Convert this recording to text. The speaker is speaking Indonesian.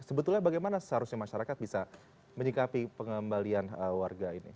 sebetulnya bagaimana seharusnya masyarakat bisa menyikapi pengembalian warga ini